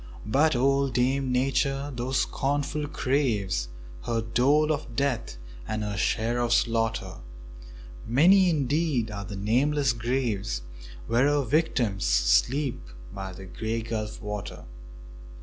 But old Dame Nature, though scornful, craves Her dole of death and her share of slaughter; Many indeed are the nameless graves Where her victims sleep by the Grey Gulf water.